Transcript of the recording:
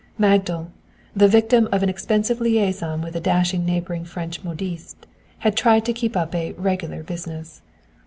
Magdal, the victim of an expensive liason with a dashing neighboring French modiste, had tried to keep up a "regular" business.